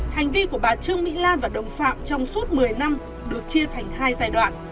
hành vi của bà trương mỹ lan và đồng phạm trong suốt một mươi năm được chia thành hai giai đoạn